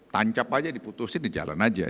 tancap saja diputusin dijalan saja